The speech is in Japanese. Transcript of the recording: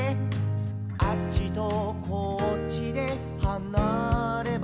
「あっちとこっちではなればなれ」